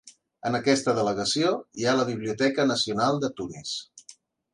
En aquesta delegació, hi ha la Biblioteca Nacional de Tunis.